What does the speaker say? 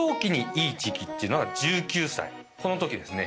このときですね。